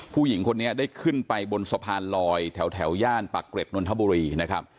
ผู้หญิงคนนี้ได้ขึ้นไปบนสภานรอยถึงแถวย่านปรากฤทณ์มนตบรี